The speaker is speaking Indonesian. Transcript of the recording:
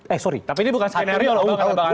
eh sorry tapi ini bukan skenario